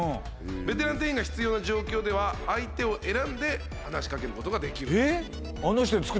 ベテラン店員が必要な状況では相手を選んで話しかけることができるえっ？